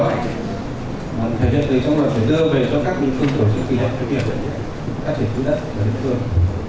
thế giới từ trong luật phải đưa về cho các địa phương của chính quyền địa phương